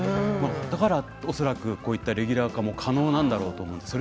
だから恐らくこういったレギュラー化も可能なんですね。